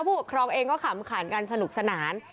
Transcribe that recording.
ผู้ปกครองเองก็ขำขันกันสนุกสนาน